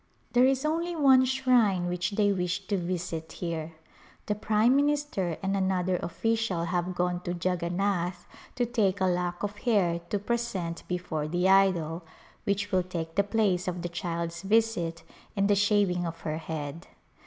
There is only one shrine which they wish to visit here. The prime minister and another official have gone to Jaganath to take a lock of hair to present be fore the idol, which will take the place of the child's [ 228] A Pilgrimage visit and the shaving of her head.